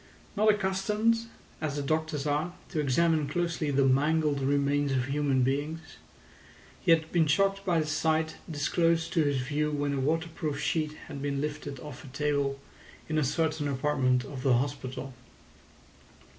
Not accustomed, as the doctors are, to examine closely the mangled remains of human beings, he had been shocked by the sight disclosed to his view when a waterproof sheet had been lifted off a table in a certain apartment of the hospital.